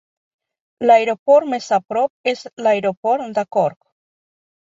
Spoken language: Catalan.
L'aeroport més a prop és l'aeroport de Cork.